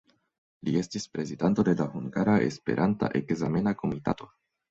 Li estis prezidanto de la Hungara Esperanta Ekzamena Komitato.